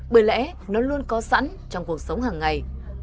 bởi lẽ nó luôn có sẵn trong cuộc sống hàng ngày